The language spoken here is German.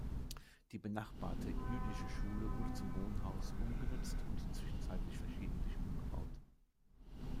Die benachbarte jüdische Schule wurde zum Wohnhaus umgenutzt und zwischenzeitlich verschiedentlich umgebaut.